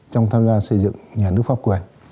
trong tham gia xây dựng nhà nước pháp quyền